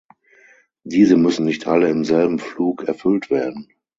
Diese müssen nicht alle im selben Flug erfüllt werden.